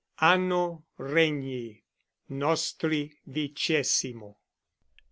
Anno Regni nostri vicesimo.